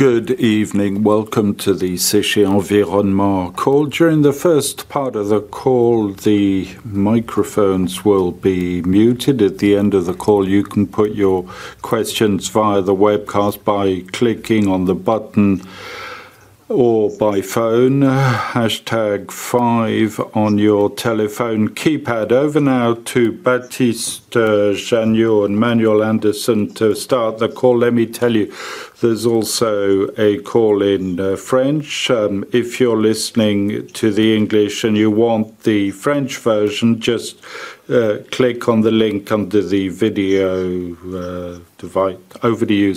Good evening. Welcome to the Séché Environnement Call. During the first part of the call, the microphones will be muted. At the end of the call, you can put your questions via the webcast by clicking on the button or by phone, hashtag five, on your telephone keypad. Over now to Baptiste Janiaud and Manuel Andersen to start the call. Let me tell you, there's also a call in French. If you're listening to the English and you want the French version, just click on the link under the video. Over to you.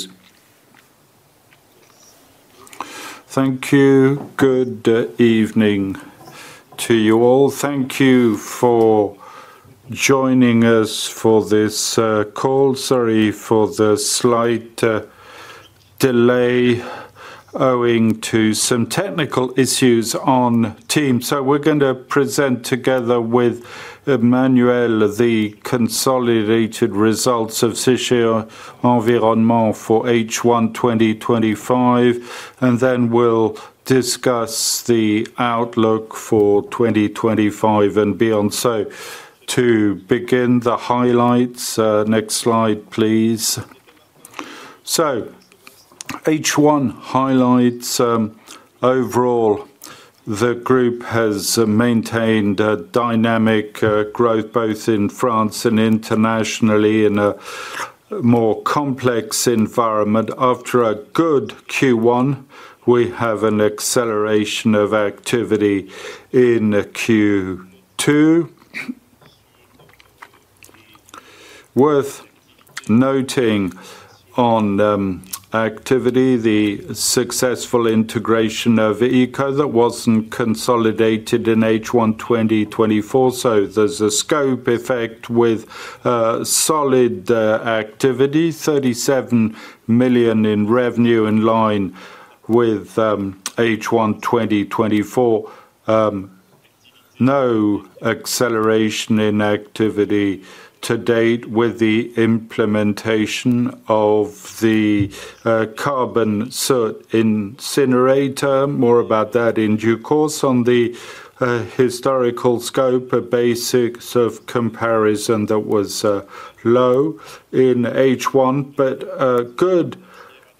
Thank you. Good evening to you all. Thank you for joining us for this call. Sorry for the slight delay owing to some technical issues on Teams. We're going to present together with Manuel the consolidated results of Séché Environnement for H1 2025, and then we'll discuss the outlook for 2025 and beyond. To begin the highlights, next slide, please. H1 highlights overall. The group has maintained dynamic growth both in France and internationally in a more complex environment. After a good Q1, we have an acceleration of activity in Q2. Worth noting on activity, the successful integration of ECO that wasn't consolidated in H1 2024. There's a scope effect with solid activity, 37 million in revenue in line with H1 2024. No acceleration in activity to date with the implementation of the carbon soot incinerator. More about that in due course. On the historical scope, a basis of comparison that was low in H1, but good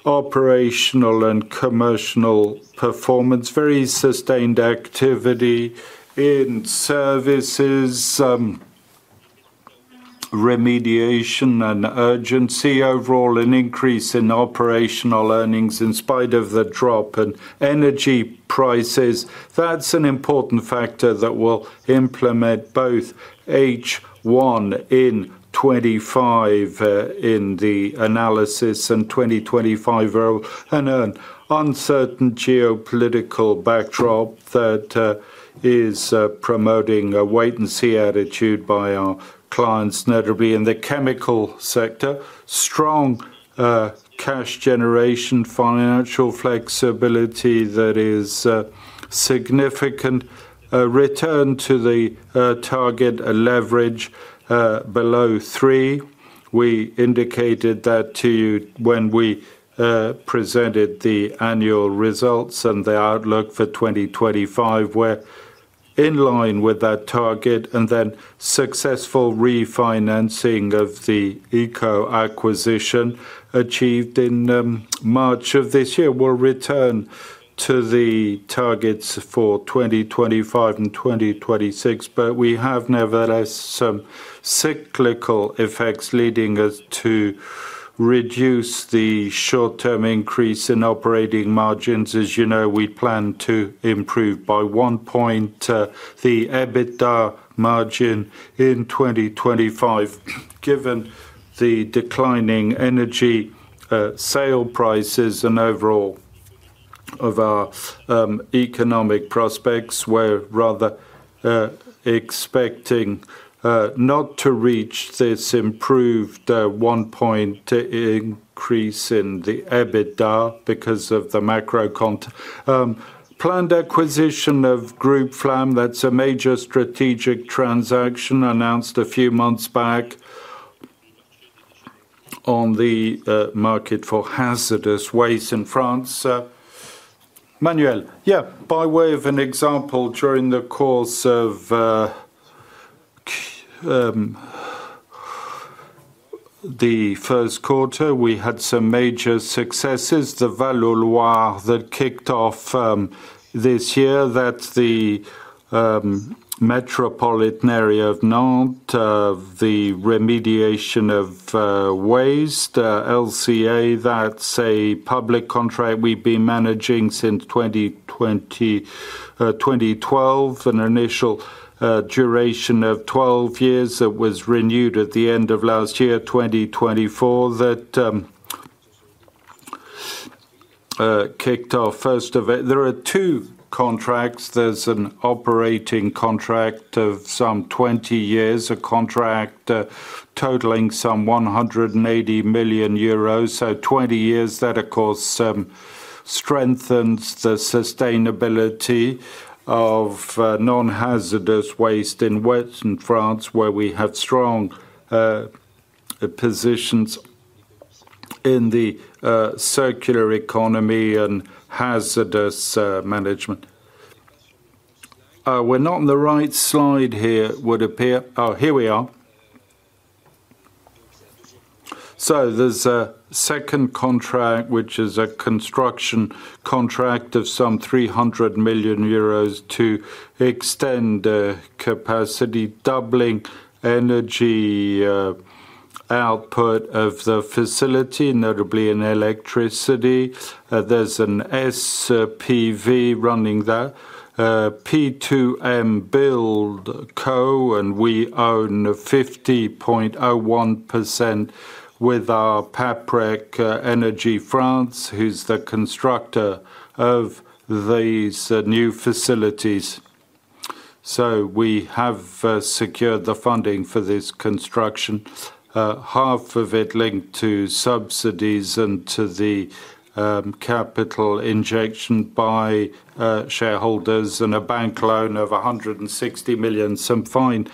operational and commercial performance. Very sustained activity in services, remediation, and urgency. Overall, an increase in operational earnings in spite of the drop in energy prices. That's an important factor that will implement both H1 in 2025 in the analysis and 2025. An uncertain geopolitical backdrop that is promoting a wait-and-see attitude by our clients, notably in the chemical sector. Strong cash generation, financial flexibility that is significant. A return to the target leverage below three. We indicated that to you when we presented the annual results and the outlook for 2025, we're in line with that target. Successful refinancing of the ECO acquisition achieved in March of this year. We'll return to the targets for 2025 and 2026, but we have nevertheless some cyclical effects leading us to reduce the short-term increase in operating margins. As you know, we plan to improve by 1 point the EBITDA margin in 2025, given the declining energy sale prices and overall of our economic prospects. We're rather expecting not to reach this improved one-point increase in the EBITDA because of the macro planned acquisition of Groupe Flamme. That's a major strategic transaction announced a few months back on the market for hazardous waste in France. Manuel, yeah, by way of an example, during the course of the first quarter, we had some major successes. The Val de Loire that kicked off this year, that's the metropolitan area of Nantes, the remediation of waste, LCA, that's a public contract we've been managing since 2012, an initial duration of 12 years that was renewed at the end of last year, 2024, that kicked off first of it. There are two contracts. There's an operating contract of some 20 years, a contract totaling 180 million euros. So 20 years, that of course strengthens the sustainability of non-hazardous waste in France where we have strong positions in the circular economy and hazardous management. We're not on the right slide here, would appear. Oh, here we are. There's a second contract, which is a construction contract of some 300 million euros to extend capacity, doubling energy output of the facility, notably in electricity. There's an SPV running that, P2M Build Co., and we own 50.01% with our PAPREC Energy France, who's the constructor of these new facilities. We have secured the funding for this construction, half of it linked to subsidies and to the capital injection by shareholders and a bank loan of 160 million. Some fine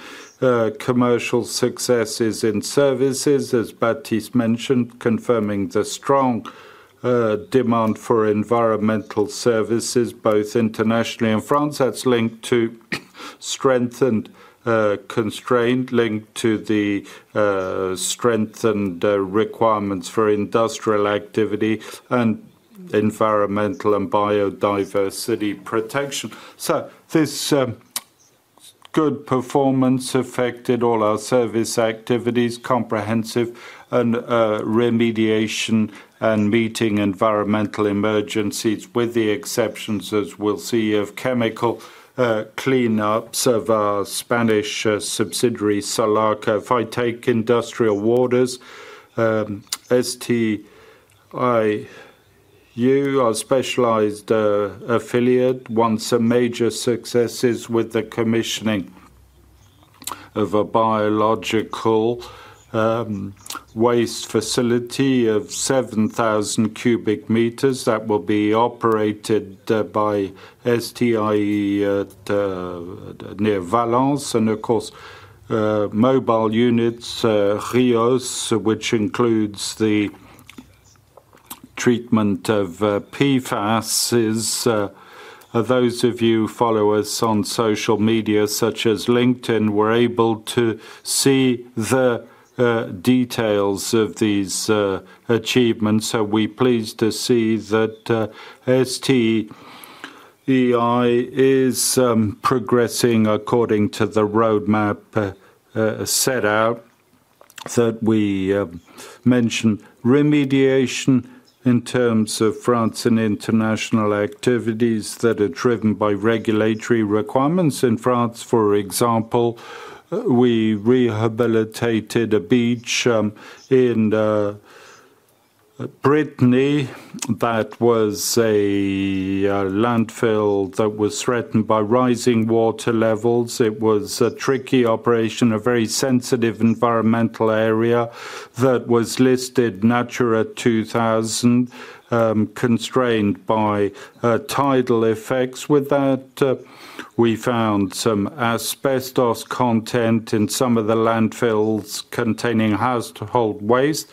commercial successes in services, as Baptiste mentioned, confirming the strong demand for environmental services, both internationally and France. That's linked to strengthened constraint, linked to the strengthened requirements for industrial activity and environmental and biodiversity protection. This good performance affected all our service activities, comprehensive and remediation, and meeting environmental emergencies with the exceptions, as we'll see, of chemical cleanups of our Spanish subsidiary SALARCA. If I take industrial waters, STIU, our specialized affiliate, wants some major successes with the commissioning of a biological waste facility of 7,000 cubic meters that will be operated by STIE near Valence. Of course, mobile units, ReUse, which includes the treatment of PFAS. Those of you who follow us on social media, such as LinkedIn, were able to see the details of these achievements. We're pleased to see that STIE is progressing according to the roadmap set out that we mentioned. Remediation in terms of France and international activities that are driven by regulatory requirements in France. For example, we rehabilitated a beach in Brittany. That was a landfill that was threatened by rising water levels. It was a tricky operation, a very sensitive environmental area that was listed Natura 2000, constrained by tidal effects. With that, we found some asbestos content in some of the landfills containing household waste.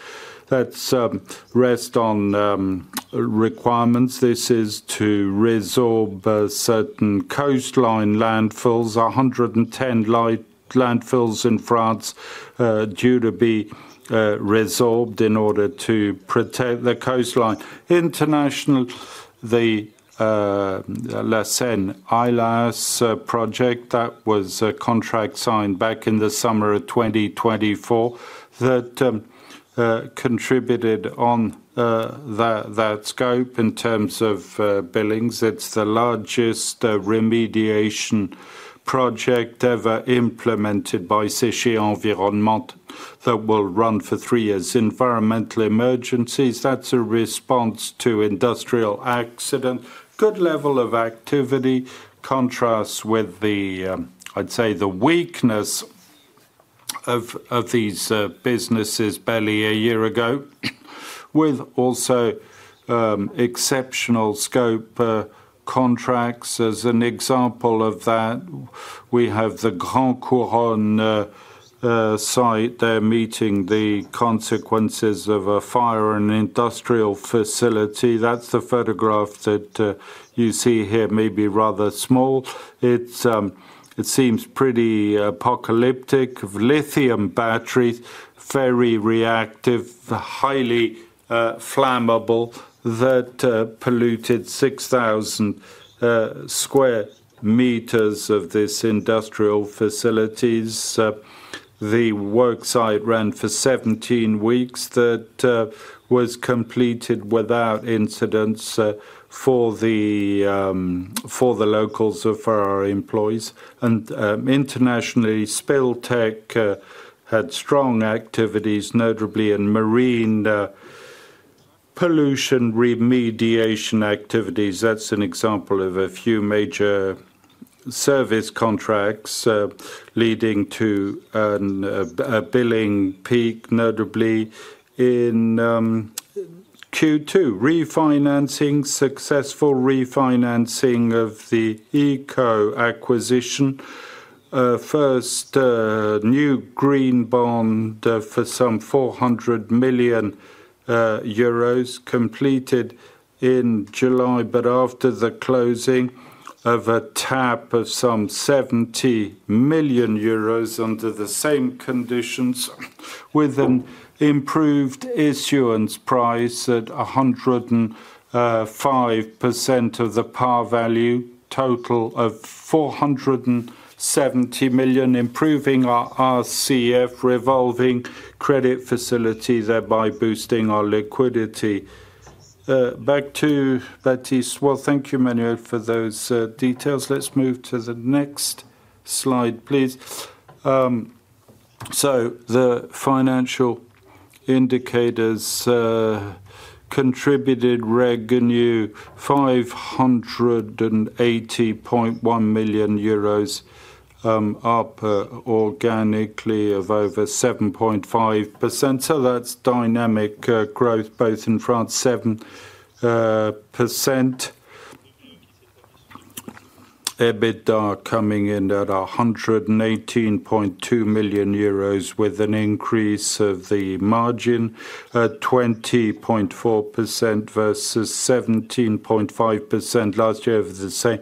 That's rest on requirements. This is to resorb certain coastline landfills. 110 landfills in France are due to be resorbed in order to protect the coastline. International, the La Seine-Illais project, that was a contract signed back in the summer of 2024 that contributed on that scope in terms of billings. It's the largest remediation project ever implemented by Séché Environnement that will run for three years. Environmental emergencies, that's a response to industrial accident. Good level of activity contrasts with the, I'd say, the weakness of these businesses barely a year ago. With also exceptional scope contracts. As an example of that, we have the Grand-Couronne site there meeting the consequences of a fire in an industrial facility. That's the photograph that you see here, maybe rather small. It seems pretty apocalyptic. Lithium batteries, very reactive, highly flammable, that polluted 6,000 sq m of this industrial facility. The worksite ran for 17 weeks. That was completed without incidents for the locals or for our employees. Internationally, Spill Tech had strong activities, notably in marine pollution remediation activities. That's an example of a few major service contracts leading to a billing peak, notably in Q2. Refinancing, successful refinancing of the ECO acquisition. First, new green bond for 400 million euros completed in July, but after the closing of a tap of 70 million euros under the same conditions with an improved issuance price at 105% of the par value, total of 470 million, improving our RCF, revolving credit facility, thereby boosting our liquidity. Back to Baptiste. Thank you, Manuel, for those details. Let's move to the next slide, please. The financial indicators contributed ReNew 580.1 million euros, up organically over 7.5%. That's dynamic growth, both in France, 7%. EBITDA coming in at 118.2 million euros with an increase of the margin at 20.4% versus 17.5% last year of the same.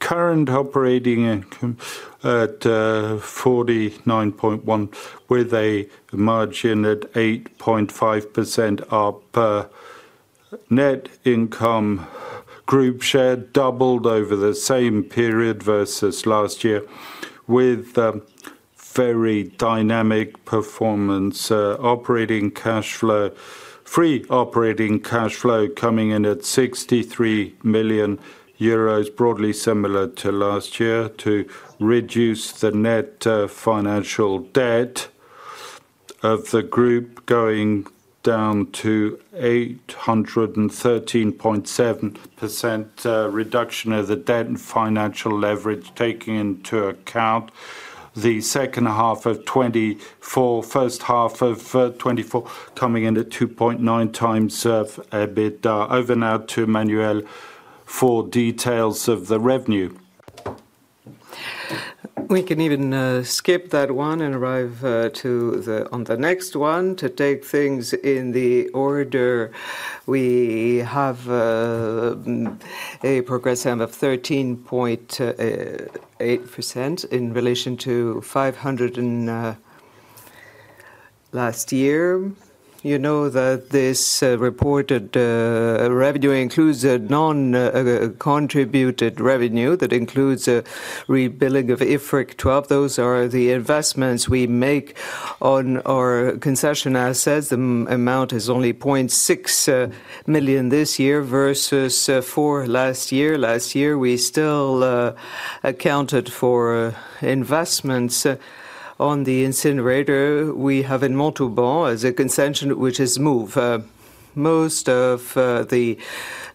Current operating income at 49.1 million with a margin at 8.5% up. Net income group share doubled over the same period versus last year with a very dynamic performance. Operating cash flow, free operating cash flow coming in at 63 million euros, broadly similar to last year, to reduce the net financial debt of the group, going down to 813 million. 7% reduction of the debt and financial leverage, taking into account the second half of 2024, first half of 2024, coming in at 2.9 times of EBITDA. Over now to Manuel for details of the revenue. We can even skip that one and arrive on the next one. To take things in the order, we have a progressive of 13.8% in relation to 500 million and last year. You know that this reported revenue includes a non-contributed revenue that includes a rebilling of IFRIC 12. Those are the investments we make on our concession assets. The amount is only 0.6 million this year versus 4 million last year. Last year, we still accounted for investments on the incinerator we have in Montauban as a concession, which has moved. Most of the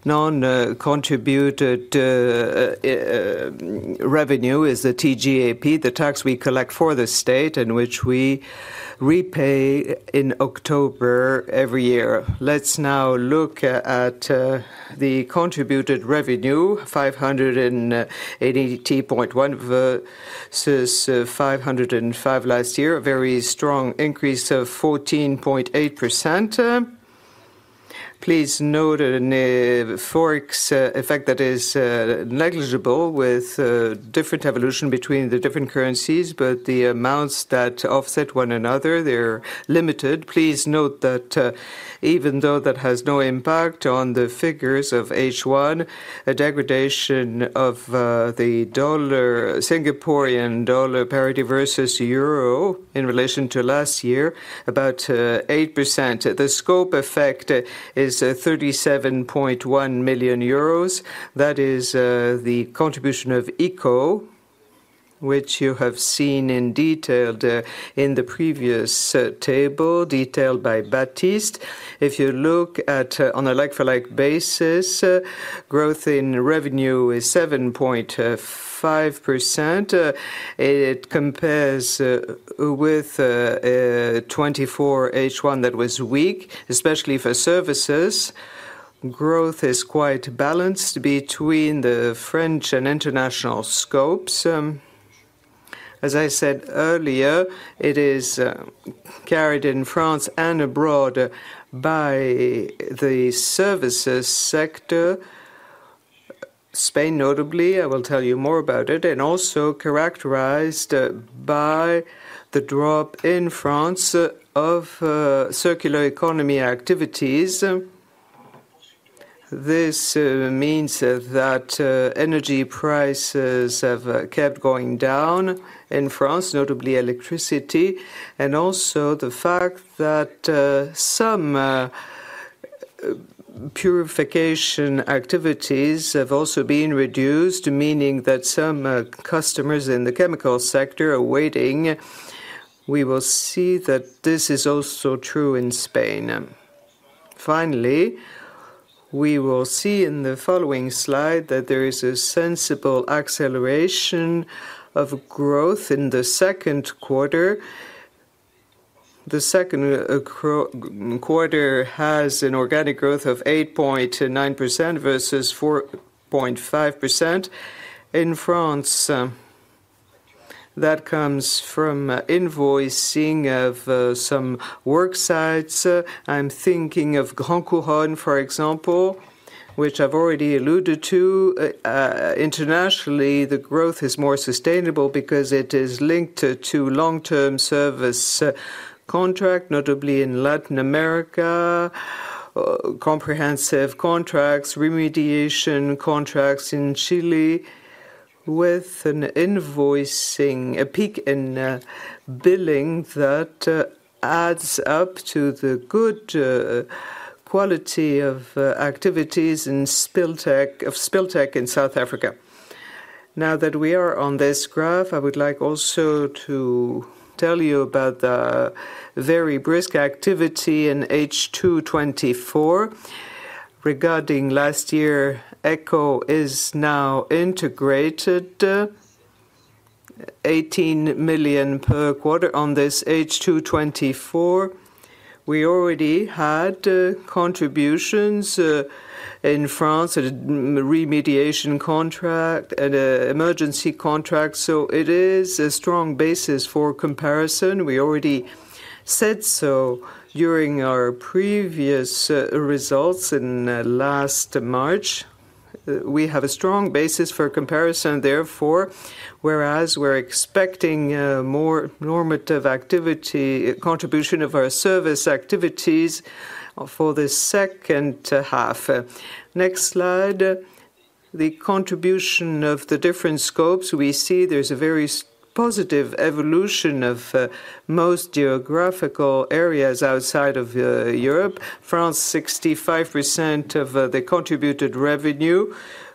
non-contributed revenue is the TGAP, the tax we collect for the state and which we repay in October every year. Let's now look at the contributed revenue, 580.1 million versus 505 million last year, a very strong increase of 14.8%. Please note a Forex effect that is negligible with different evolution between the different currencies, but the amounts that offset one another, they're limited. Please note that even though that has no impact on the figures of H1, a degradation of the Singaporean dollar parity versus euro in relation to last year, about 8%. The scope effect is €37.1 million. That is the contribution of ECO, which you have seen detailed in the previous table, detailed by Baptiste. If you look at on a like-for-like basis, growth in revenue is 7.5%. It compares with 2024 H1 that was weak, especially for services. Growth is quite balanced between the French and international scopes. As I said earlier, it is carried in France and abroad by the services sector, Spain notably. I will tell you more about it. It is also characterized by the drop in France of circular economy activities. This means that energy prices have kept going down in France, notably electricity, and also the fact that some purification activities have also been reduced, meaning that some customers in the chemical sector are waiting. We will see that this is also true in Spain. Finally, we will see in the following slide that there is a sensible acceleration of growth in the second quarter. The second quarter has an organic growth of 8.9% versus 4.5% in France. That comes from invoicing of some worksites. I'm thinking of Grand-Couronne, for example, which I've already alluded to. Internationally, the growth is more sustainable because it is linked to long-term service contract, notably in Latin America, comprehensive contracts, remediation contracts in Chile, with an invoicing, a peak in billing that adds up to the good quality of activities of Spill Tech in South Africa. Now that we are on this graph, I would like also to tell you about the very brisk activity in H2 2024 regarding last year. ECO is now integrated, 18 million per quarter on this H2 2024. We already had contributions in France, a remediation contract, and an emergency contract. It is a strong basis for comparison. We already said so during our previous results in last March. We have a strong basis for comparison, therefore, whereas we're expecting more normative activity, contribution of our service activities for the second half. Next slide, the contribution of the different scopes. We see there's a very positive evolution of most geographical areas outside of Europe. France, 65% of the contributed revenue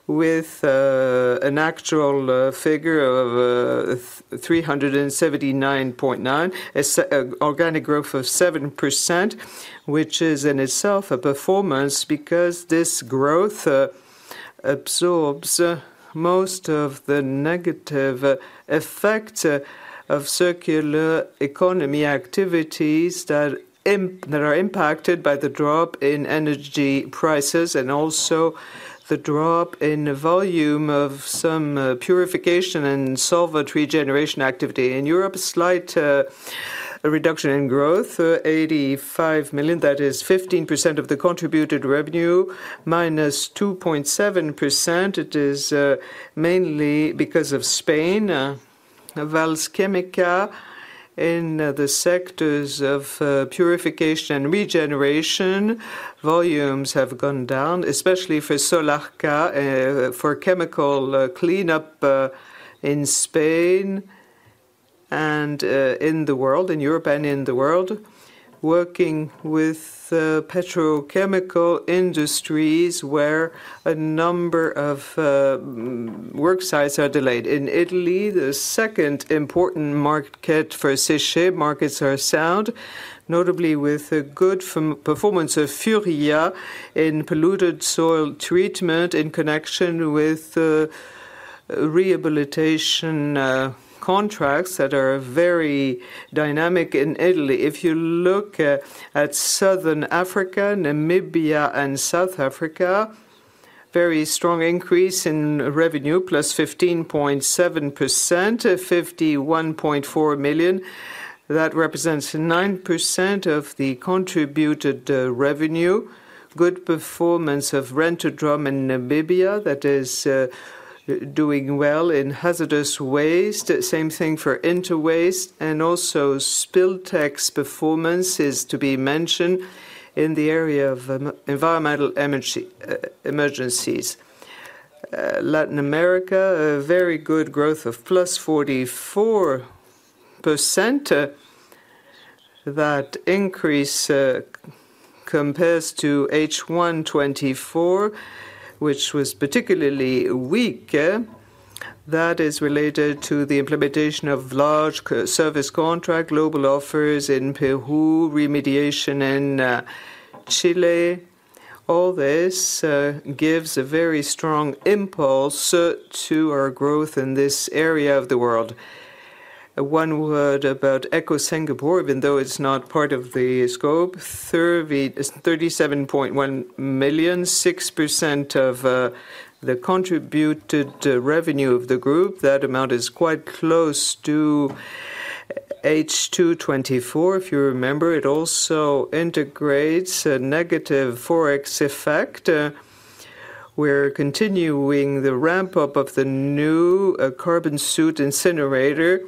with an actual figure of 379.9 million, an organic growth of 7%, which is in itself a performance because this growth absorbs most of the negative effect of circular economy activities that are impacted by the drop in energy prices and also the drop in the volume of some purification and solvent regeneration activity. In Europe, slight reduction in growth, 85 million. That is 15% of the contributed revenue, -2.7%. It is mainly because of Spain. Wells chemical in the sectors of purification and regeneration volumes have gone down, especially for Solarca for chemical cleaning in Spain and in the world, in Europe and in the world, working with petrochemical industries where a number of worksites are delayed. In Italy, the second important market for Séché markets are sound, notably with a good performance of Furia in polluted soil treatment in connection with rehabilitation contracts that are very dynamic in Italy. If you look at Southern Africa, Namibia, and South Africa, very strong increase in revenue, +15.7%, 51.4 million. That represents 9% of the contributed revenue. Good performance of Rent-A-Drum in Namibia that is doing well in hazardous waste. Same thing for Interwaste. Also, Spil Tech's performance is to be mentioned in the area of environmental emergencies. Latin America, a very good growth of +44%. That increase compares to H1 2024, which was particularly weak. That is related to the implementation of large service contract, global offers in Peru, remediation in Chile. All this gives a very strong impulse to our growth in this area of the world. One word about ECO Singapore, even though it's not part of the scope, 37.1 million, 6% of the contributed revenue of the group. That amount is quite close to H2 2024. If you remember, it also integrates a negative Forex effect. We're continuing the ramp-up of the new carbon soot incinerator,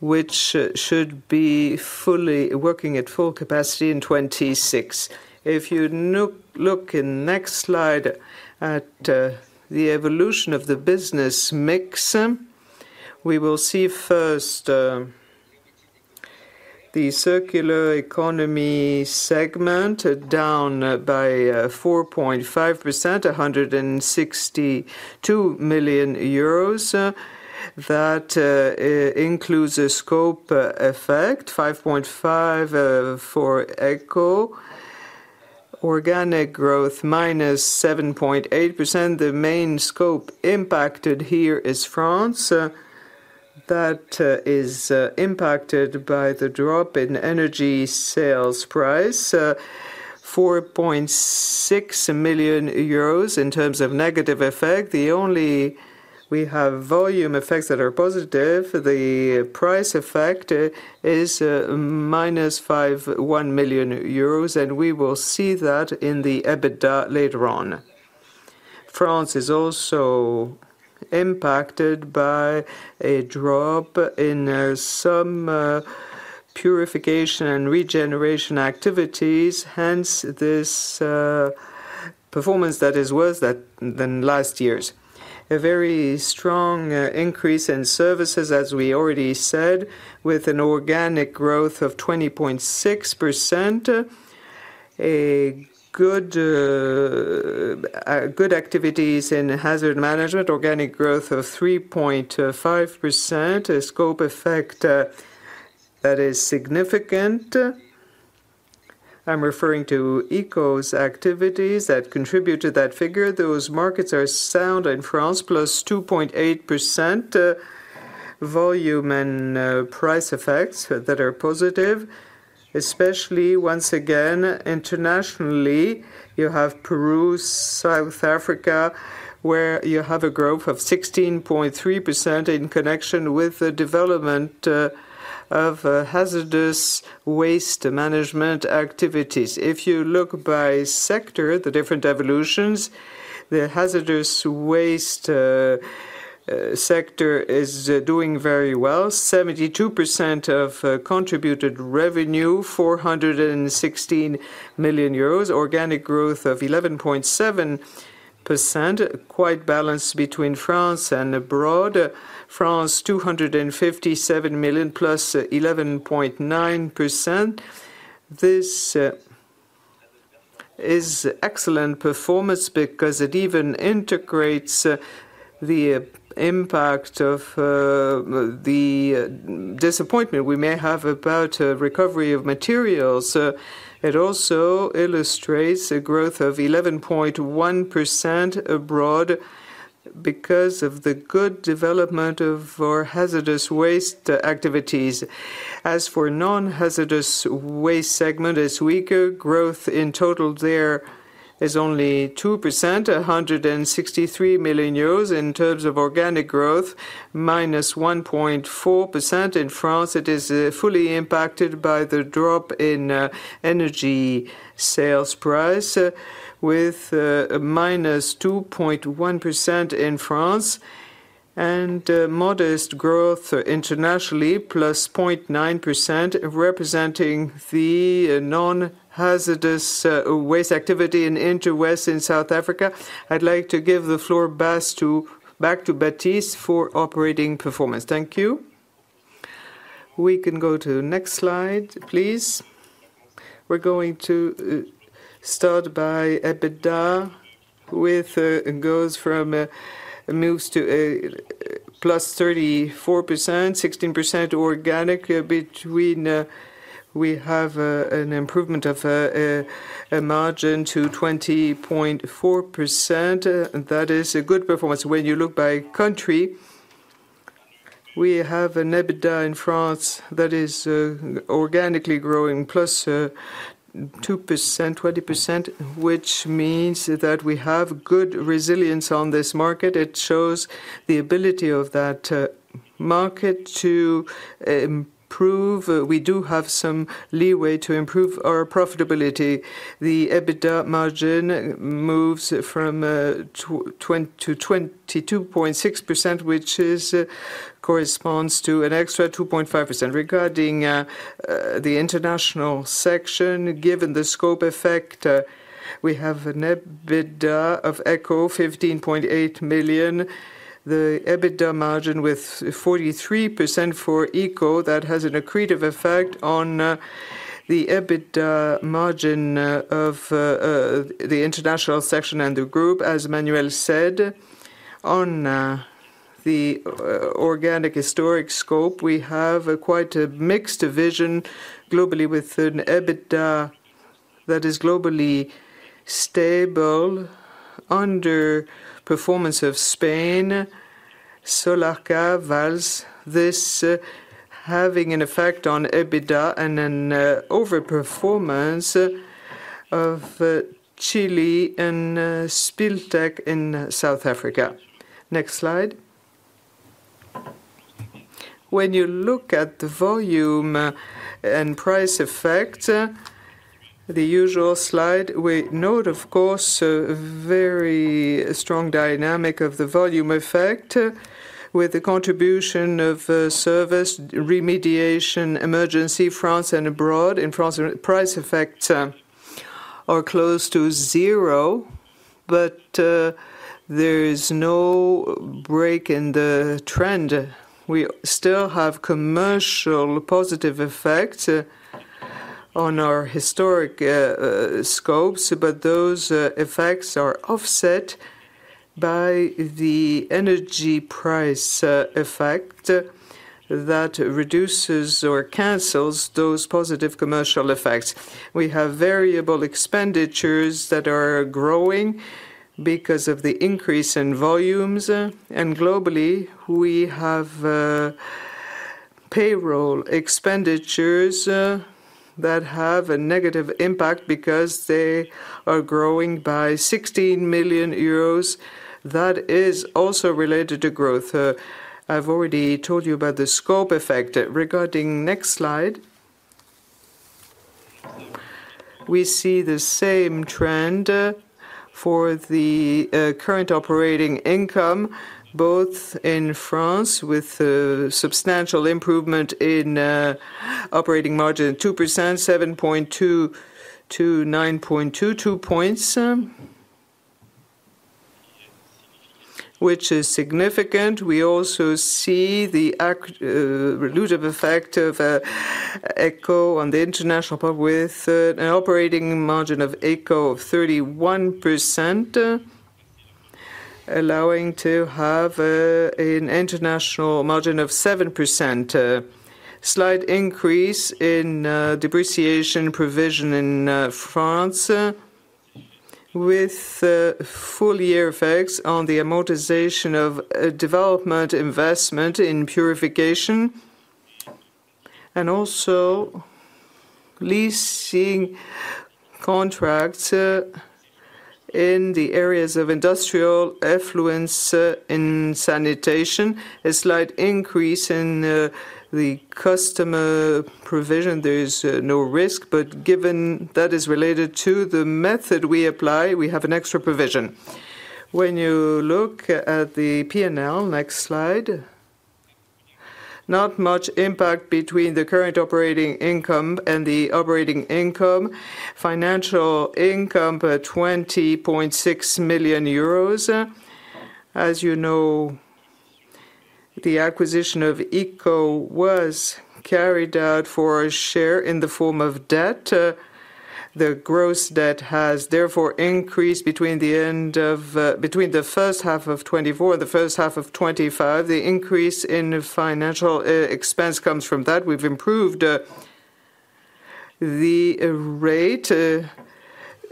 which should be fully working at full capacity in 2026. If you look in the next slide at the evolution of the business mix, we will see first the circular economy segment down by 4.5%, 162 million euros. That includes a scope effect, 5.5% for ECO. Organic growth -7.8%. The main scope impacted here is France. That is impacted by the drop in energy sales price, 4.6 million euros in terms of negative effect. We have volume effects that are positive. The price effect is -5%, 1 million euros, and we will see that in the EBITDA later on. France is also impacted by a drop in some purification and regeneration activities. Hence, this performance that is worse than last year's. A very strong increase in services, as we already said, with an organic growth of 20.6%. Good activities in hazardous waste management, organic growth of 3.5%. A scope effect that is significant. I'm referring to ECO's activities that contribute to that figure. Those markets are sound in France, +2.8% volume and price effects that are positive, especially once again internationally. You have Peru, South Africa, where you have a growth of 16.3% in connection with the development of hazardous waste management activities. If you look by sector, the different evolutions, the hazardous waste sector is doing very well. 72% of contributed revenue, 416 million euros. Organic growth of 11.7%. Quite balanced between France and abroad. France, 257 million +11.9%. This is excellent performance because it even integrates the impact of the disappointment we may have about recovery of materials. It also illustrates a growth of 11.1% abroad because of the good development of our hazardous waste activities. As for non-hazardous waste segment, it's weaker. Growth in total there is only 2%, 163 million euros in terms of organic growth, -1.4% in France. It is fully impacted by the drop in energy sales price with -2.1% in France and modest growth internationally, +0.9% representing the non-hazardous waste activity in Interwest in South Africa. I'd like to give the floor back to Baptiste for operating performance. Thank you. We can go to the next slide, please. We're going to start by EBITDA with it goes from moves to a +34%, 16% organic. We have an improvement of a margin to 20.4%. That is a good performance. When you look by country, we have an EBITDA in France that is organically growing, +2%, 20%, which means that we have good resilience on this market. It shows the ability of that market to improve. We do have some leeway to improve our profitability. The EBITDA margin moves from 22.6%, which corresponds to an extra 2.5%. Regarding the international section, given the scope effect, we have an EBITDA of ECO, 15.8 million. The EBITDA margin with 43% for ECO, that has an accretive effect on the EBITDA margin of the international section and the group. As Manuel said, on the organic historic scope, we have quite a mixed vision globally with an EBITDA that is globally stable underperformance of Spain, Solarca, Wells. This having an effect on EBITDA and an overperformance of Chile and Spil Tech in South Africa. Next slide. When you look at the volume and price effect, the usual slide. We note, of course, a very strong dynamic of the volume effect with the contribution of service, remediation, emergency, France, and abroad. In France, price effects are close to zero, but there is no break in the trend. We still have commercial positive effects on our historic scopes, but those effects are offset by the energy price effect that reduces or cancels those positive commercial effects. We have variable expenditures that are growing because of the increase in volumes. Globally, we have payroll expenditures that have a negative impact because they are growing by €16 million. That is also related to growth. I've already told you about the scope effect. Regarding the next slide, we see the same trend for the current operating income, both in France with a substantial improvement in operating margin of 2%, 7.2%- 9.2%, two points, which is significant. We also see the relative effect of ECO on the international part with an operating margin of ECO of 31%, allowing to have an international margin of 7%. Slight increase in depreciation provision in France with full-year effects on the amortization of development investment in purification. Also, leasing contracts in the areas of industrial effluents in sanitation. A slight increase in the customer provision. There's no risk, but given that is related to the method we apply, we have an extra provision. When you look at the P&L, next slide, not much impact between the current operating income and the operating income. Financial income at 20.6 million euros. As you know, the acquisition of ECO was carried out for a share in the form of debt. The gross debt has therefore increased between the end of the first half of 2024 and the first half of 2025. The increase in financial expense comes from that. We've improved the rate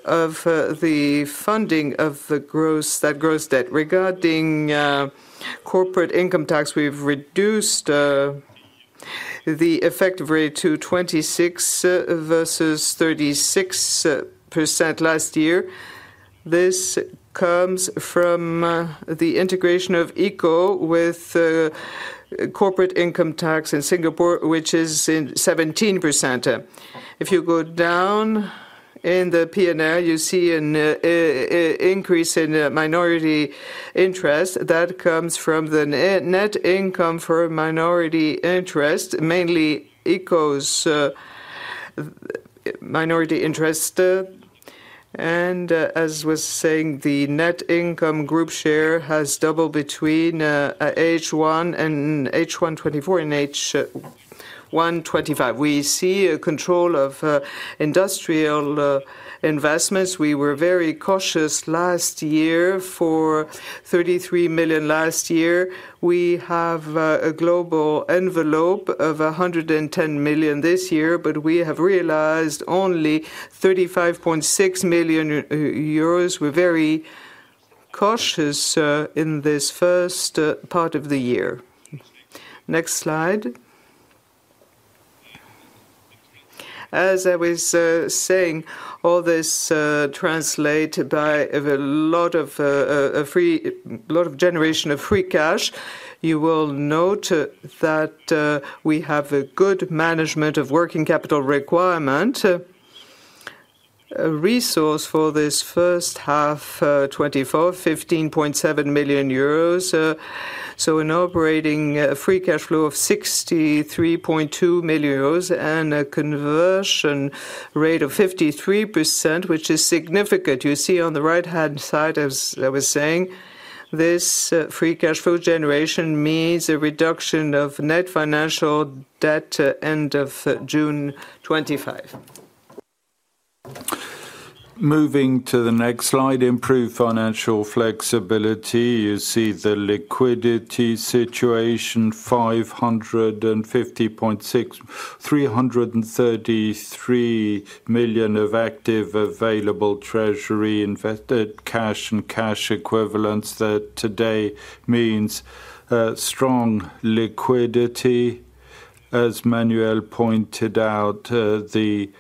of the funding of that gross debt. Regarding corporate income tax, we've reduced the effective rate to 26% versus 36% last year. This comes from the integration of ECO with corporate income tax in Singapore, which is 17%. If you go down in the P&L, you see an increase in minority interest. That comes from the net income for minority interest, mainly ECO's minority interest. As was saying, the net income group share has doubled between H1 2024 and H1 2025. We see a control of industrial investments. We were very cautious last year for 33 million last year. We have a global envelope of 110 million this year, but we have realized only 35.6 million euros. We're very cautious in this first part of the year. Next slide. As I was saying, all this translates by a lot of generation of free cash. You will note that we have a good management of working capital requirement. A resource for this first half 2024, 15.7 million euros. An operating free cash flow of 63.2 million euros and a conversion rate of 53%, which is significant. You see on the right-hand side, as I was saying, this free cash flow generation means a reduction of net financial debt end of June 2025. Moving to the next slide, improved financial flexibility. You see the liquidity situation, 550.6 million, 333 million of active available treasury invested cash and cash equivalents that today means strong liquidity. As Manuel pointed out, the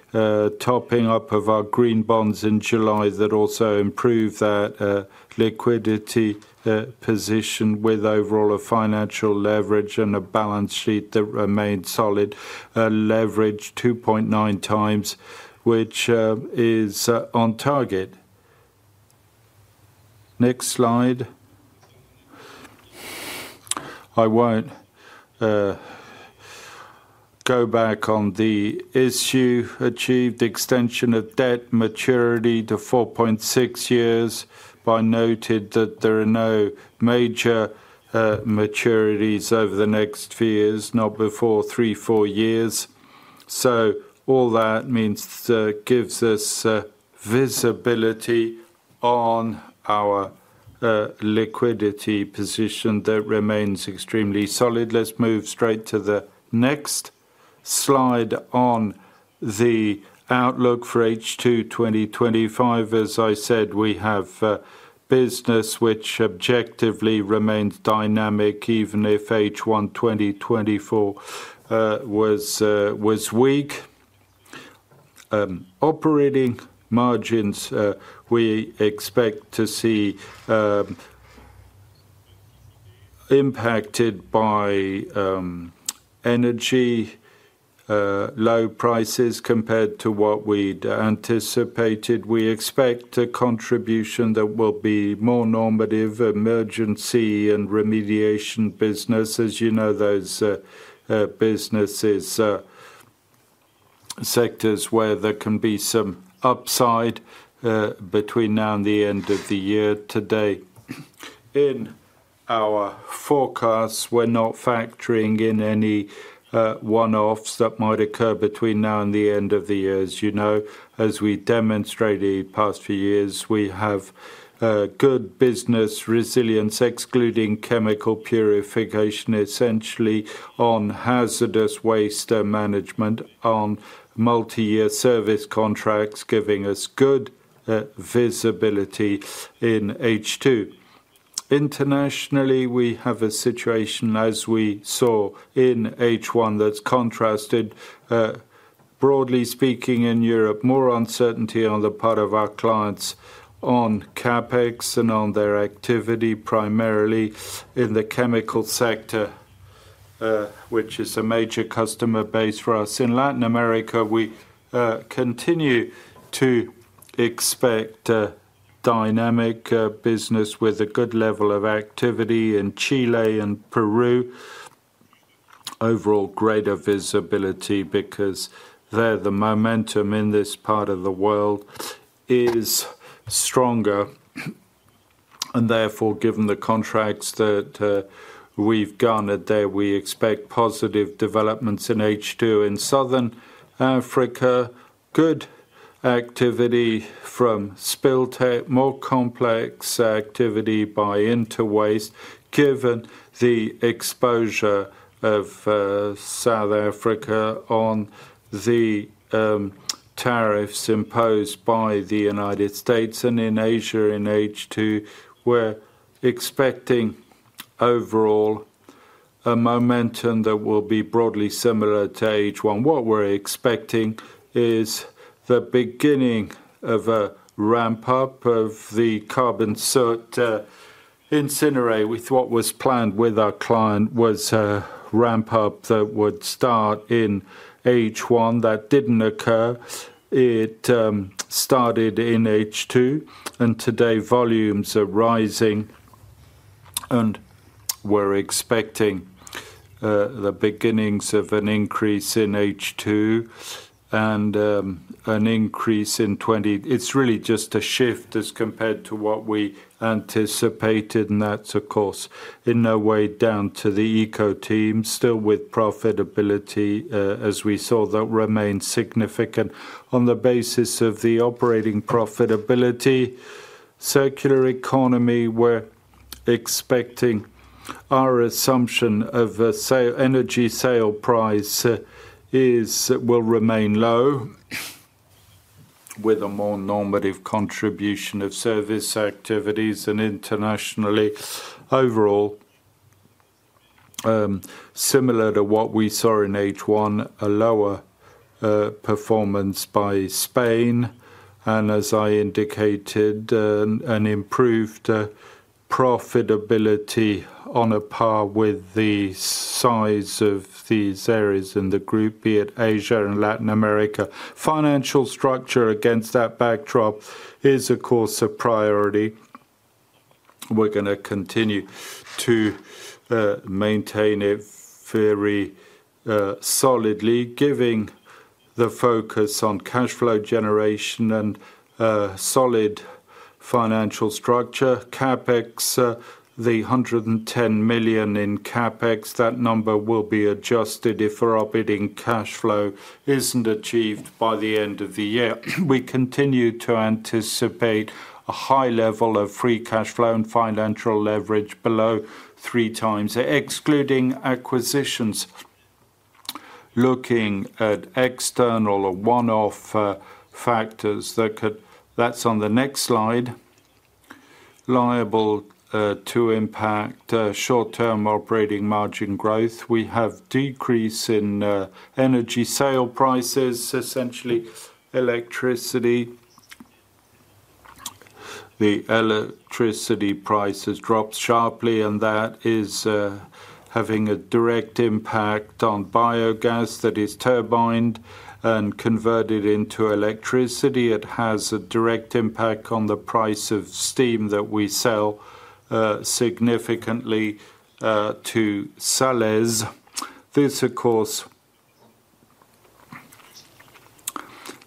topping up of our green bond in July also improved that liquidity position with overall a financial leverage and a balance sheet that remained solid. A leverage 2.9x, which is on target. Next slide. I won't go back on the issue. Achieved extension of debt maturity to 4.6 years, but I noted that there are no major maturities over the next few years, not before three, four years. All that means that gives us visibility on our liquidity position that remains extremely solid. Let's move straight to the next slide on the outlook for H2 2025. As I said, we have a business which objectively remains dynamic, even if H1 2024 was weak. Operating margins we expect to see impacted by energy, low prices compared to what we'd anticipated. We expect a contribution that will be more normative, emergency and remediation business. As you know, those businesses are sectors where there can be some upside between now and the end of the year. Today, in our forecasts, we're not factoring in any one-offs that might occur between now and the end of the year. As you know, as we demonstrated in the past few years, we have good business resilience, excluding chemical purification, essentially on hazardous waste management on multi-year service contracts, giving us good visibility in H2. Internationally, we have a situation, as we saw in H1, that's contrasted. Broadly speaking, in Europe, more uncertainty on the part of our clients on CapEx and on their activity, primarily in the chemical sector, which is a major customer base for us. In Latin America, we continue to expect a dynamic business with a good level of activity in Chile and Peru. Overall, greater visibility because there, the momentum in this part of the world is stronger. Therefore, given the contracts that we've garnered there, we expect positive developments in H2. In Southern Africa, good activity from Spil Tech, more complex activity by Interwaste, given the exposure of South Africa on the tariffs imposed by the United States. In Asia, in H2, we're expecting overall a momentum that will be broadly similar to H1. What we're expecting is the beginning of a ramp-up of the carbon soot incinerator. What was planned with our client was a ramp-up that would start in H1. That didn't occur. It started in H2. Today, volumes are rising and we're expecting the beginnings of an increase in H2 and an increase in 2020. It's really just a shift as compared to what we anticipated. That's, of course, in no way down to the ECO team, still with profitability, as we saw, that remains significant. On the basis of the operating profitability, circular economy, we're expecting our assumption of the energy sale price will remain low with a more normative contribution of service activities. Internationally, overall, similar to what we saw in H1, a lower performance by Spain. As I indicated, an improved profitability on a par with the size of these areas in the group, be it Asia and Latin America. Financial structure against that backdrop is, of course, a priority. We're going to continue to maintain it very solidly, giving the focus on cash flow generation and solid financial structure. CapEx, the 110 million in CapEx, that number will be adjusted if our operating cash flow isn't achieved by the end of the year. We continue to anticipate a high level of free cash flow and financial leverage below 3x, excluding acquisitions. Looking at external or one-off factors, that's on the next slide. Liable to impact short-term operating margin growth. We have a decrease in energy sale prices, essentially electricity. The electricity prices dropped sharply, and that is having a direct impact on biogas that is turbined and converted into electricity. It has a direct impact on the price of steam that we sell significantly to Salez. This, of course,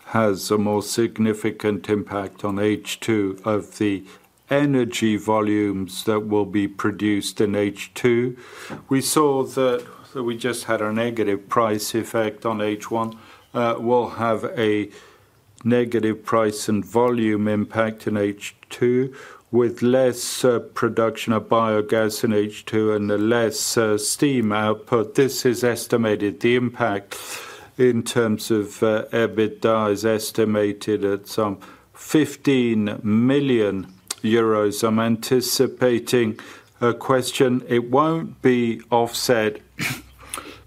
has a more significant impact on H2 of the energy volumes that will be produced in H2. We saw that we just had a negative price effect on H1. We'll have a negative price and volume impact in H2 with less production of biogas in H2 and less steam output. This is estimated. The impact in terms of EBITDA is estimated at some 15 million euros. I'm anticipating a question. It won't be offset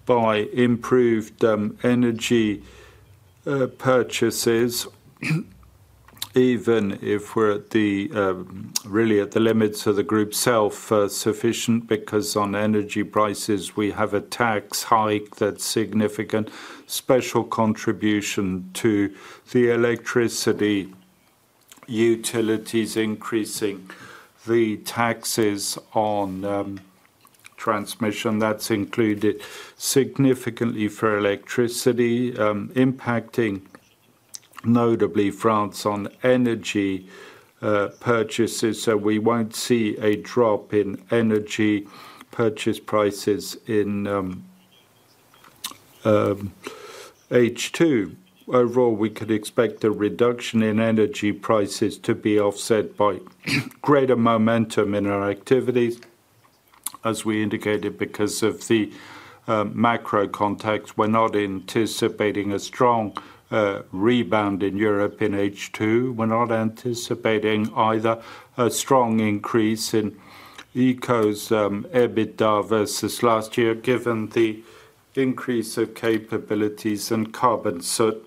by improved energy purchases, even if we're at the really at the limits of the group self-sufficient because on energy prices, we have a tax hike that's significant. Special contribution to the electricity utilities increasing the taxes on transmission. That's included significantly for electricity, impacting notably France on energy purchases. We won't see a drop in energy purchase prices in H2. Overall, we could expect a reduction in energy prices to be offset by greater momentum in our activities. As we indicated, because of the macro context, we're not anticipating a strong rebound in Europe in H2. We're not anticipating either a strong increase in ECO's EBITDA versus last year, given the increase of capabilities and carbon. That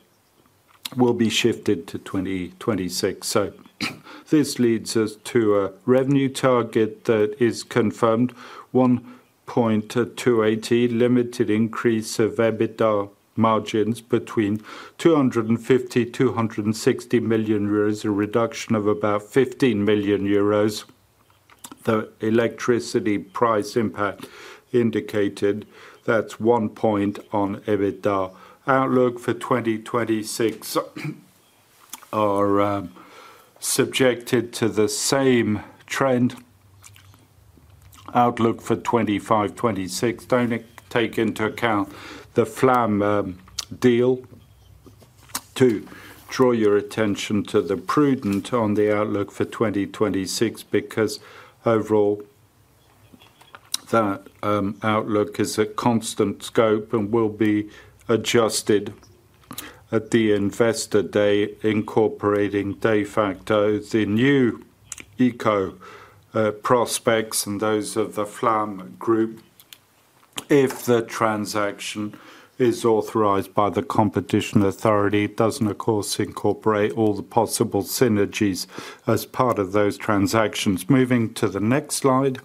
will be shifted to 2026. This leads us to a revenue target that is confirmed, 1.280 billion, limited increase of EBITDA margins between 250 million-260 million euros, a reduction of about 15 million euros. The electricity price impact indicated that's one point on EBITDA. Outlook for 2026 is subjected to the same trend. Outlook for 2025, 2026, don't take into account the Flamme deal. I want to draw your attention to the prudence on the outlook for 2026 because overall that outlook is at constant scope and will be adjusted at the investor day, incorporating de facto the new ECO prospects and those of Flamme Groupe. If the transaction is authorized by the competition authority, it doesn't, of course, incorporate all the possible synergies as part of those transactions. Moving to the next slide,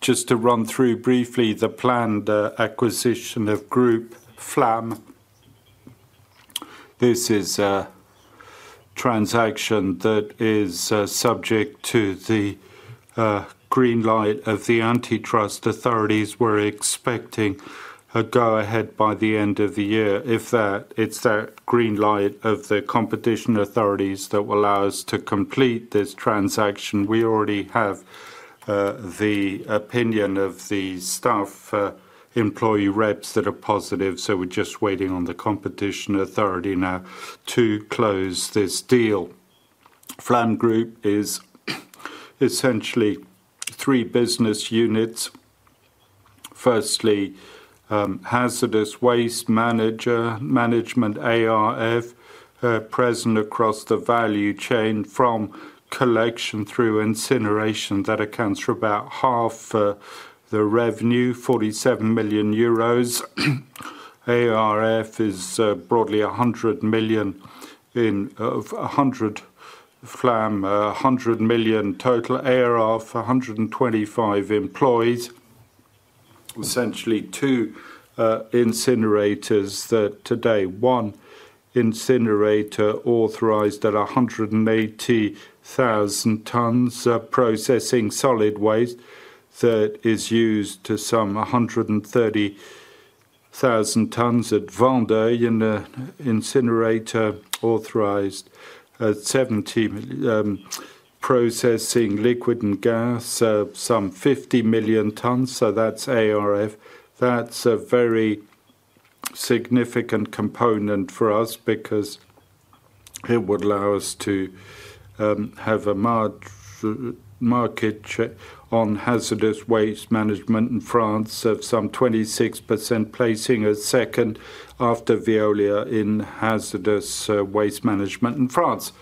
just to run through briefly the planned acquisition of Groupe Flamme. This is a transaction that is subject to the green light of the antitrust authorities. We're expecting a go-ahead by the end of the year. It is that green light of the competition authorities that will allow us to complete this transaction. We already have the opinion of the staff employee representatives that are positive. We're just waiting on the competition authority now to close this deal. Flamme Groupe is essentially three business units. Firstly, hazardous waste management ARF, present across the value chain from collection through incineration. That accounts for about half the revenue, 47 million euros. ARF is broadly 100 million in Groupe Flamme, 100 million total. ARF, 125 employees. Essentially, two incinerators today, one incinerator authorized at 180,000 tons processing solid waste that is used to some 130,000 tons at Vendee in an incinerator authorized at 70,000 processing liquid and gas, some 50,000 tons. That's ARF. That's a very significant component for us because it would allow us to have a market share on hazardous waste management in France of some 26%, placing us second after Veolia in hazardous waste management in France.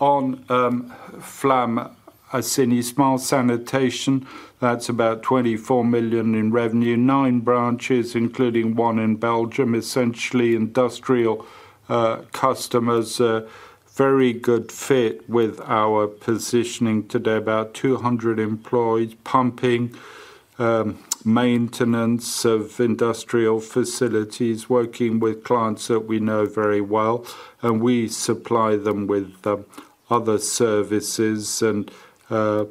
On Flamme, Assini Smart Sanitation, that's about 24 million in revenue, nine branches, including one in Belgium, essentially industrial customers. A very good fit with our positioning today, about 200 employees, pumping, maintenance of industrial facilities, working with clients that we know very well. We supply them with other services and a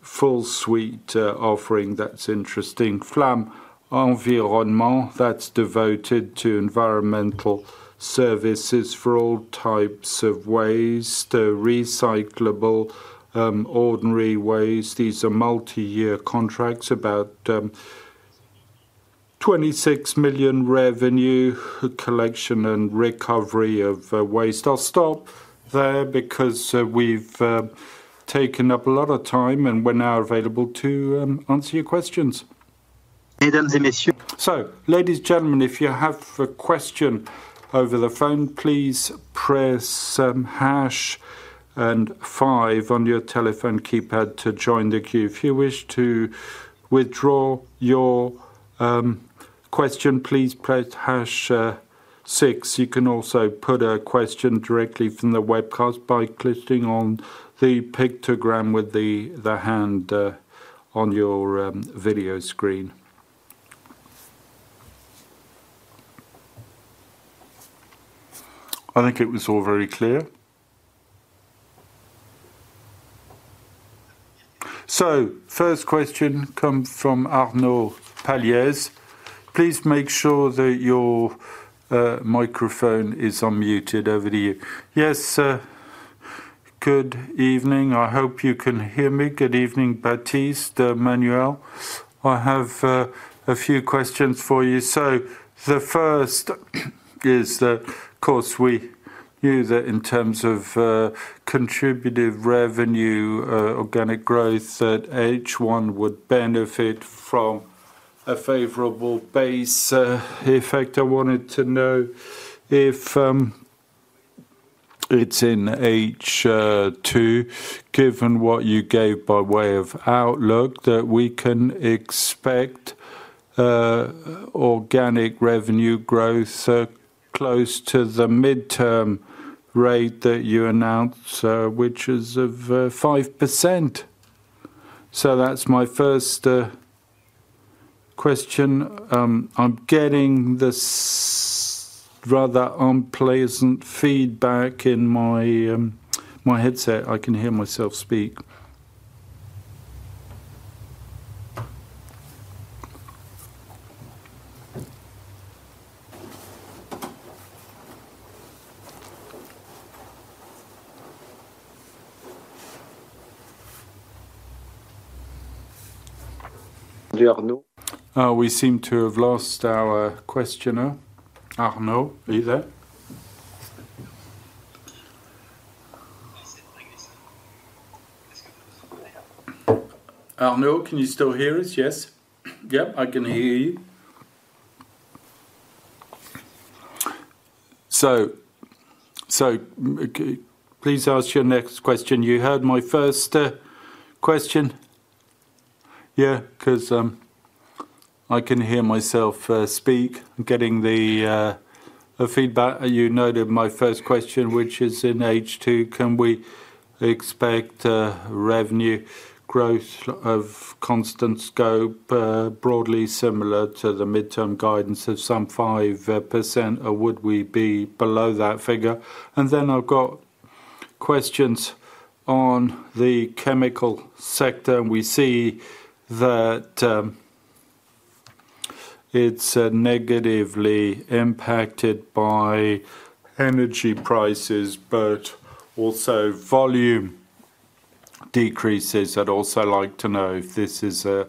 full suite offering that's interesting. Flamme Environnement, that's devoted to environmental services for all types of waste, recyclable, ordinary waste. These are multi-year contracts, about 26 million revenue, collection and recovery of waste. I'll stop there because we've taken up a lot of time and we're now available to answer your questions. Ladies and gentlemen, if you have a question over the phone, please press hash and five on your telephone keypad to join the queue. If you wish to withdraw your question, please press hash six. You can also put a question directly from the webcast by clicking on the pictogram with the hand on your video screen. I think it was all very clear. First question comes from Arnaud Paliès. Please make sure that your microphone is unmuted, over to you. Yes, good evening. I hope you can hear me. Good evening, Baptiste, Manuel. I have a few questions for you. The first is, of course, we knew that in terms of contributed revenue, organic growth at H1 would benefit from a favorable base effect. I wanted to know if it's in H2, given what you gave by way of outlook, that we can expect organic revenue growth close to the midterm rate that you announced, which is of 5%. That's my first question. I'm getting this rather unpleasant feedback in my headset. I can hear myself speak. We seem to have lost our questioner. Arnaud, are you there? Arnaud, can you still hear us? Yes. Yep, I can hear you. Please ask your next question. You heard my first question? Yeah, because I can hear myself speak. Getting the feedback that you noted in my first question, which is in H2, can we expect revenue growth of constant scope, broadly similar to the midterm guidance of some 5%, or would we be below that figure? I've got questions on the chemical sector. We see that it's negatively impacted by energy prices, but also volume decreases. I'd also like to know if this is a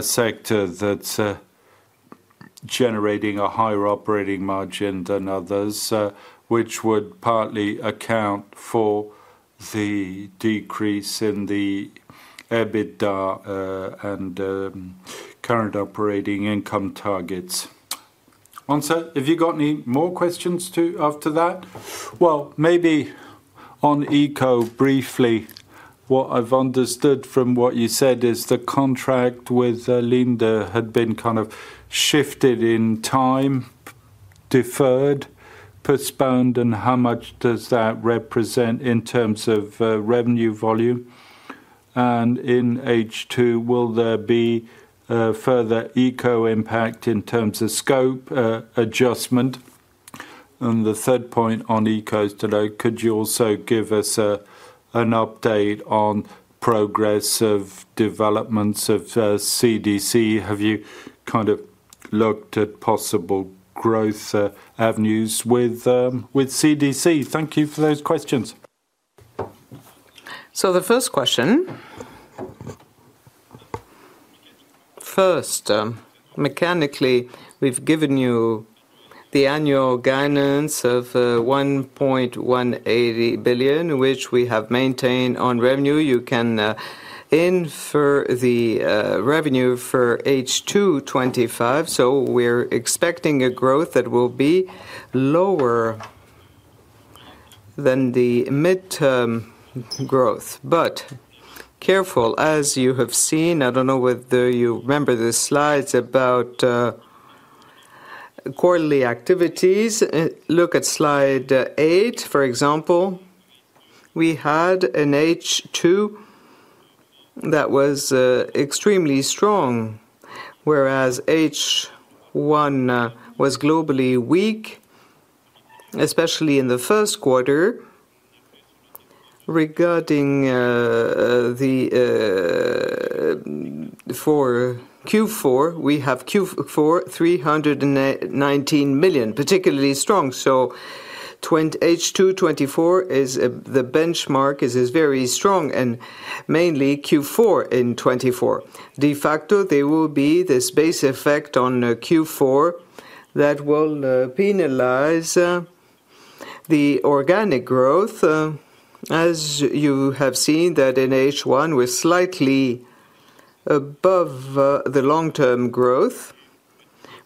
sector that's generating a higher operating margin than others, which would partly account for the decrease in the EBITDA and current operating income targets. On ECO, briefly, what I've understood from what you said is the contract with Linde had been kind of shifted in time, deferred, postponed. How much does that represent in terms of revenue volume? In H2, will there be further ECO impact in terms of scope adjustment? The third point on ECO is to know, could you also give us an update on progressive developments of CDC? Have you kind of looked at possible growth avenues with CDC? Thank you for those questions. The first question. First, mechanically, we've given you the annual guidance of 1.180 billion, which we have maintained on revenue. You can infer the revenue for H2 2025. We're expecting a growth that will be lower than the midterm growth. Careful, as you have seen, I don't know whether you remember the slides about quarterly activities. Look at slide eight, for example. We had an H2 that was extremely strong, whereas H1 was globally weak, especially in the first quarter. Regarding Q4, we have Q4 319 million, particularly strong. H2 2024 is the benchmark, is very strong, and mainly Q4 in 2024. De facto, there will be this base effect on Q4 that will penalize the organic growth. As you have seen, in H1 it was slightly above the long-term growth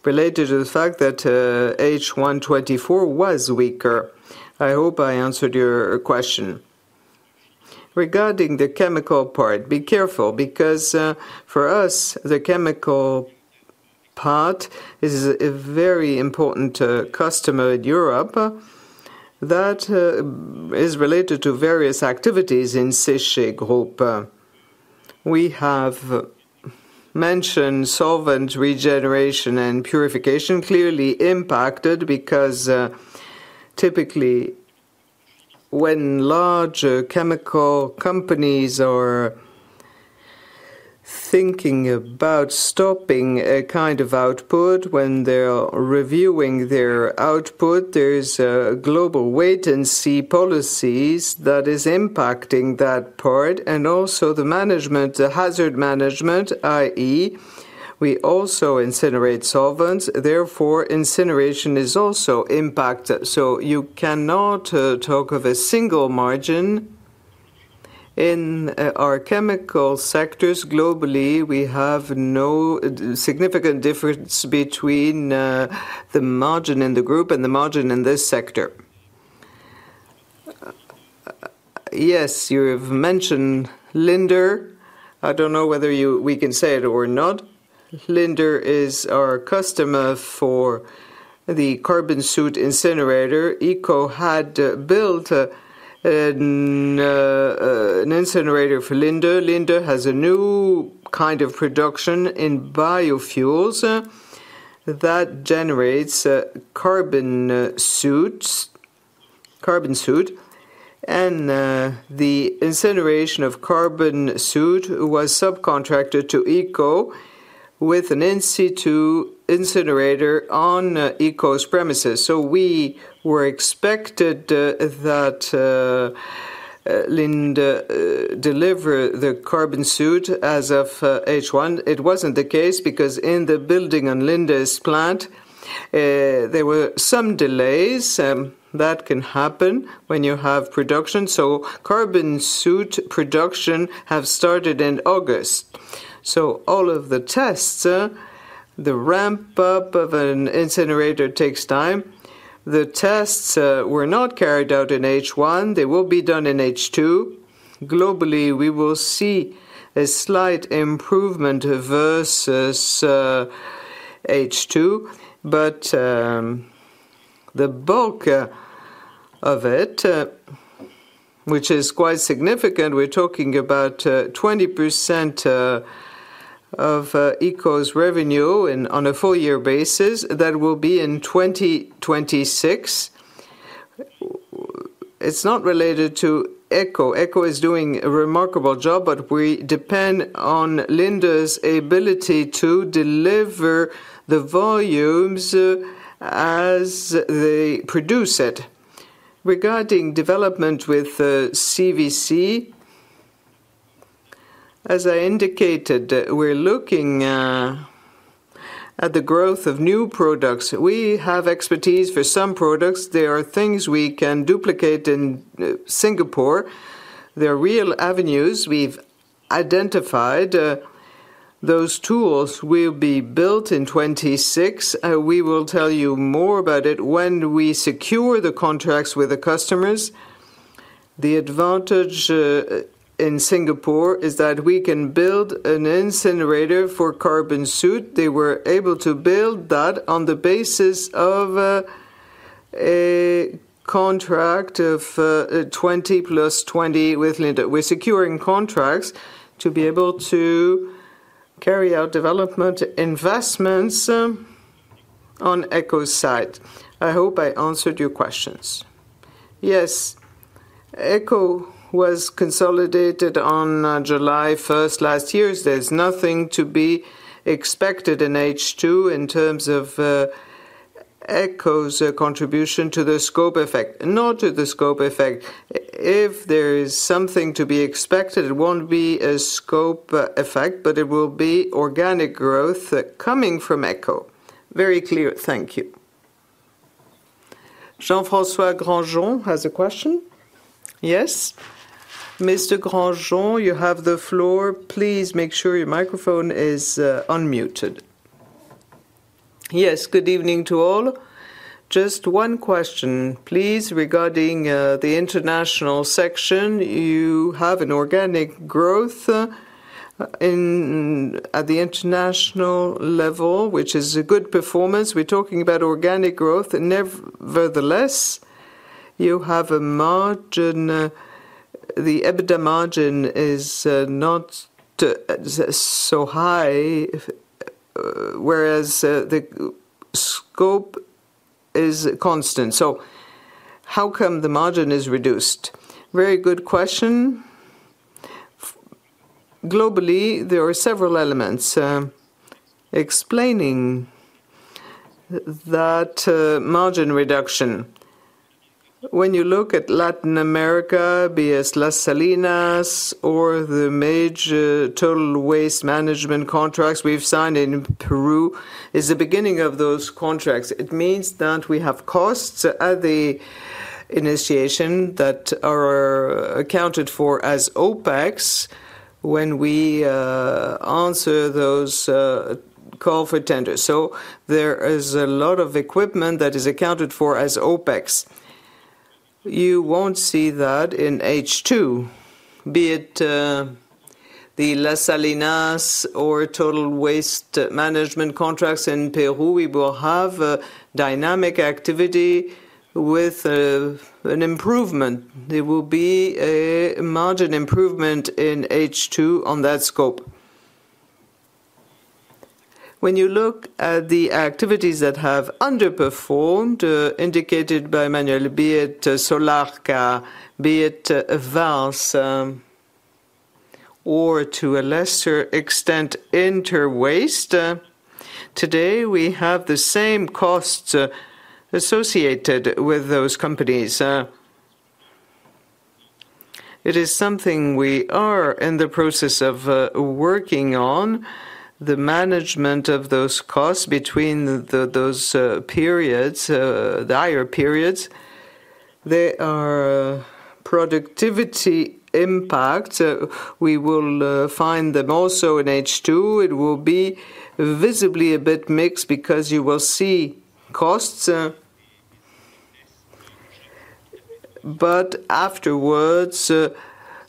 related to the fact that H1 2024 was weaker. I hope I answered your question. Regarding the chemical part, be careful because for us, the chemical part is a very important customer in Europe that is related to various activities in Séché Groupe. We have mentioned solvent regeneration and purification, clearly impacted because typically when large chemical companies are thinking about stopping a kind of output, when they're reviewing their output, there's a global wait-and-see policies that are impacting that part and also the management, the hazardous management, i.e., we also incinerate solvents. Therefore, incineration is also impacted. You cannot talk of a single margin in our chemical sectors. Globally, we have no significant difference between the margin in the group and the margin in this sector. Yes, you have mentioned Linde. I don't know whether we can say it or not. Linde is our customer for the carbon soot incinerator. ECO had built an incinerator for Linde. Linde has a new kind of production in biofuels that generates carbon soot. The incineration of carbon soot was subcontracted to ECO with an in-situ incinerator on ECO's premises. We were expected that Linde delivered the carbon soot as of H1. It wasn't the case because in the building on Linde's plant, there were some delays. That can happen when you have production. Carbon soot production has started in August. All of the tests, the ramp-up of an incinerator takes time. The tests were not carried out in H1. They will be done in H2. Globally, we will see a slight improvement versus H2. The bulk of it, which is quite significant, we're talking about 20% of ECO's revenue on a four-year basis, that will be in 2026. It's not related to ECO. ECO is doing a remarkable job, but we depend on Linde's ability to deliver the volumes as they produce it. Regarding development with CVC, as I indicated, we're looking at the growth of new products. We have expertise for some products. There are things we can duplicate in Singapore. There are real avenues we've identified. Those tools will be built in 2026. We will tell you more about it when we secure the contracts with the customers. The advantage in Singapore is that we can build an incinerator for carbon soot. They were able to build that on the basis of a contract of 20 + 20 with Linde. We're securing contracts to be able to carry out development investments on ECO's side. I hope I answered your questions. Yes. ECO was consolidated on July 1st last year. There's nothing to be expected in H2 in terms of ECO's contribution to the scope effect. Not to the scope effect. If there is something to be expected, it won't be a scope effect, but it will be organic growth coming from ECO. Very clear. Thank you. Jean-François Grandjean has a question. Yes. Mr. Grandjean, you have the floor. Please make sure your microphone is unmuted. Yes. Good evening to all. Just one question, please, regarding the international section. You have an organic growth at the international level, which is a good performance. We're talking about organic growth. Nevertheless, you have a margin. The EBITDA margin is not so high, whereas the scope is constant. How come the margin is reduced? Very good question. Globally, there are several elements explaining that margin reduction. When you look at Latin America, BS Las Salinas, or the major total waste management contracts we've signed in Peru, it is the beginning of those contracts. It means that we have costs at the initiation that are accounted for as OPEX when we answer those call for tenders. There is a lot of equipment that is accounted for as OPEX. You won't see that in H2, be it the Las Salinas or total waste management contracts in Peru. We will have a dynamic activity with an improvement. There will be a margin improvement in H2 on that scope. When you look at the activities that have underperformed, indicated by Manuel, be it Solarca, be it Advance, or to a lesser extent, Interwaste, today we have the same costs associated with those companies. It is something we are in the process of working on, the management of those costs between those periods, the higher periods. There are productivity impacts. We will find them also in H2. It will be visibly a bit mixed because you will see costs. Afterwards,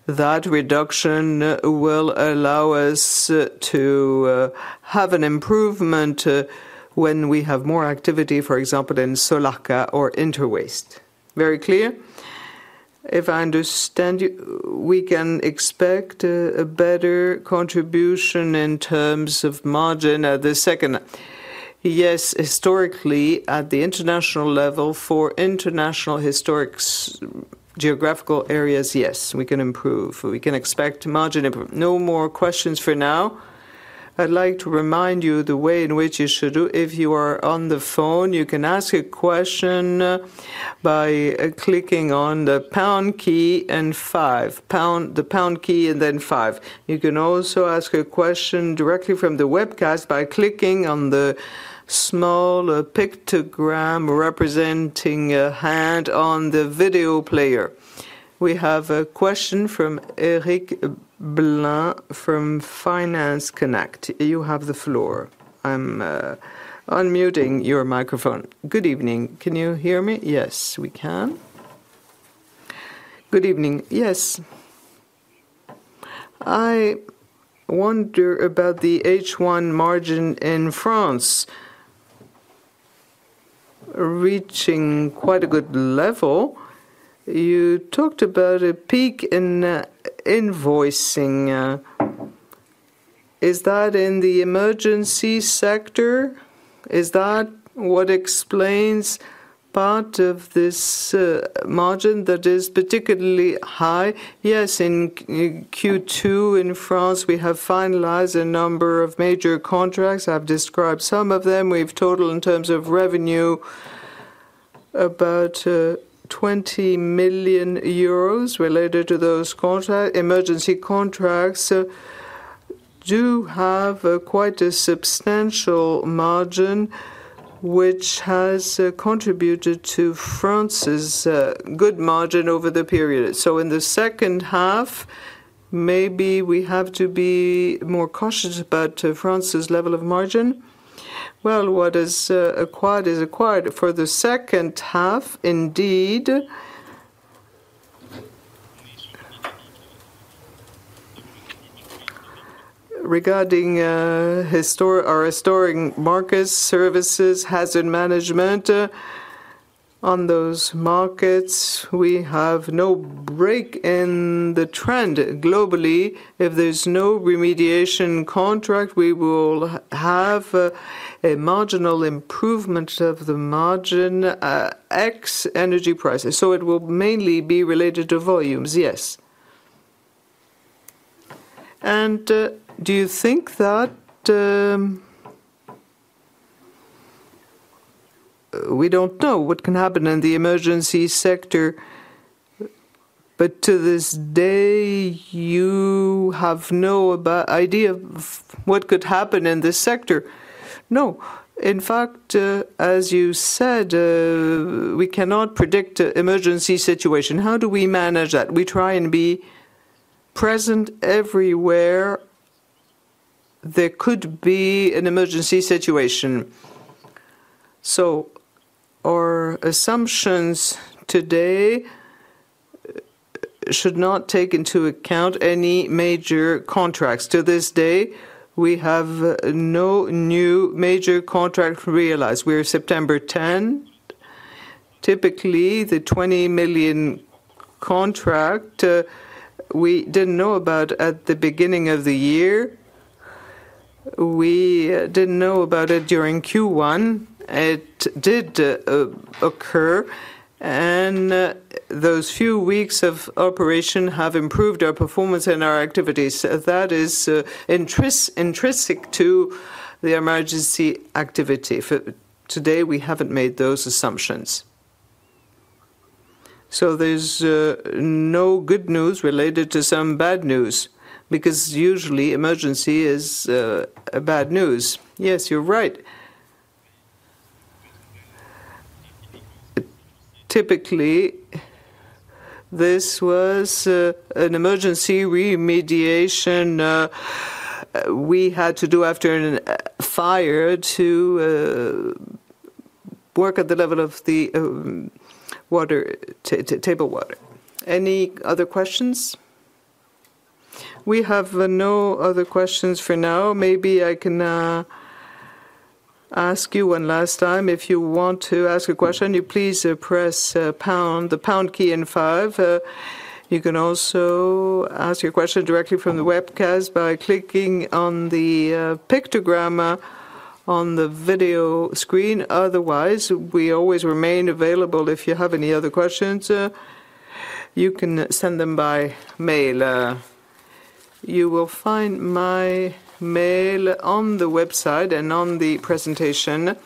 that reduction will allow us to have an improvement when we have more activity, for example, in Solarca or Interwaste. Very clear. If I understand you, we can expect a better contribution in terms of margin at the second. Yes, historically, at the international level for international historic geographical areas, yes, we can improve. We can expect margin improvement. No more questions for now. I'd like to remind you the way in which you should do. If you are on the phone, you can ask a question by clicking on the pound key and five. The pound key and then five. You can also ask a question directly from the webcast by clicking on the small pictogram representing a hand on the video player. We have a question from Eric Blain from Finance Connect. You have the floor. I'm unmuting your microphone. Good evening. Can you hear me? Yes, we can. Good evening. Yes. I wonder about the H1 margin in France reaching quite a good level. You talked about a peak in invoicing. Is that in the emergency sector? Is that what explains part of this margin that is particularly high? Yes. In Q2 in France, we have finalized a number of major contracts. I've described some of them. We've totaled in terms of revenue about 20 million euros related to those emergency contracts. We do have quite a substantial margin which has contributed to France's good margin over the period. In the second half, maybe we have to be more cautious about France's level of margin? What is acquired is acquired. For the second half, indeed. Regarding our historic markets, services, and hazard management, on those markets, we have no break in the trend globally. If there's no remediation contract, we will have a marginal improvement of the margin ex-energy prices. It will mainly be related to volumes, yes. Do you think that. we don't know what can happen in the emergency sector, but to this day, you have no idea of what could happen in this sector? No. In fact, as you said, we cannot predict the emergency situation. How do we manage that? We try and be present everywhere there could be an emergency situation. Our assumptions today should not take into account any major contracts. To this day, we have no new major contract realized. We're September 10. Typically, the 20 million contract we didn't know about at the beginning of the year. We didn't know about it during Q1. It did occur. Those few weeks of operation have improved our performance and our activities. That is intrinsic to the emergency activity. Today, we haven't made those assumptions. There's no good news related to some bad news because usually, emergency is bad news. Yes, you're right. Typically, this was an emergency remediation we had to do after a fire to work at the level of the table water. Any other questions? We have no other questions for now. Maybe I can ask you one last time. If you want to ask a question, please press the pound key and five. You can also ask your question directly from the webcast by clicking on the pictogram on the video screen. Otherwise, we always remain available if you have any other questions. You can send them by mail. You will find my mail on the website and on the presentation.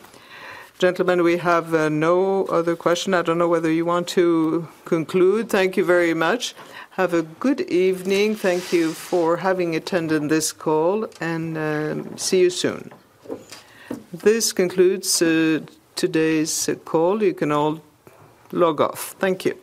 Gentlemen, we have no other question. I don't know whether you want to conclude. Thank you very much. Have a good evening. Thank you for having attended this call, and see you soon. This concludes today's call. You can all log off. Thank you.